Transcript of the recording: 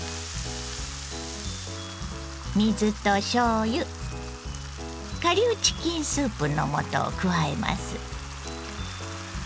水としょうゆ顆粒チキンスープの素を加えます。